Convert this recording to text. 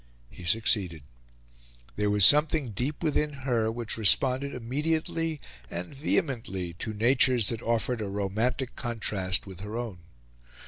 He succeeded. There was something deep within her which responded immediately and vehemently to natures that offered a romantic contrast with her own.